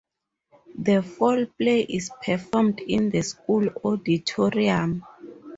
The fall play is performed in the school auditorium.